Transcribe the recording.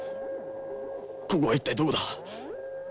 ここは一体どこだ？